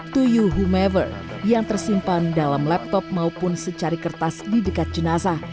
to you humever yang tersimpan dalam laptop maupun secari kertas di dekat jenazah